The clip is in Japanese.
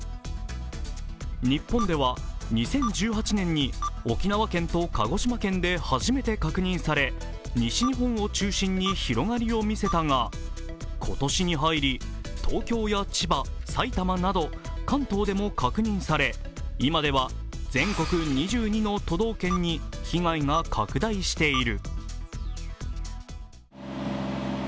日本では２０１８年に沖縄県と鹿児島県で初めて確認され西日本を中心に広がりを見せたが今年に入り、東京や千葉、埼玉など関東でも確認され、今では全国２２の都道県に被害が拡大している。